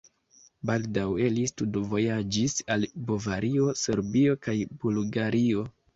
Baldaŭe li studvojaĝis al Bavario, Serbio kaj Bulgario.